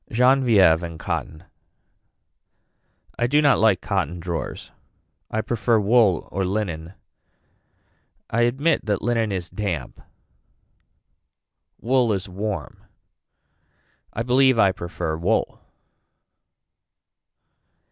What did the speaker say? Genevieve and cotton. I do not like cotton drawers. I prefer wool or linen. I admit that linen is damp. Wool is warm. I believe I prefer wool.